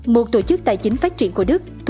một tổ chức tài chính phát triển của đức